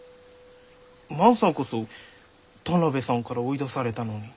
万さんこそ田邊さんから追い出されたのに。